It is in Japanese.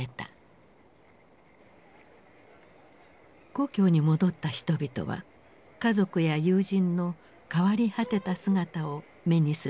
故郷に戻った人々は家族や友人の変わり果てた姿を目にすることになった。